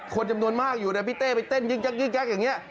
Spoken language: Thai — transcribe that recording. คนจำนวนมากอยู่พี่เต้ไปเต้นยึกอย่างนี้